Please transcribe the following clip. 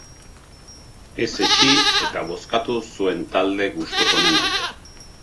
Ez etsi, eta bozkatu zuen talde gustukoenen alde!